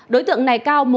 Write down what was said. đối tượng này cao